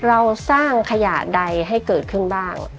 เราสร้างขยะใดให้เกิดขึ้นบ้าง